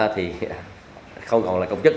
thì không còn là công chức